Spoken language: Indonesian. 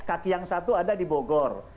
kaki yang satu ada di bogor